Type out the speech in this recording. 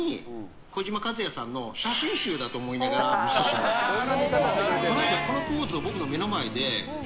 児嶋一哉さんの写真集だと思いながら見させてもらっています。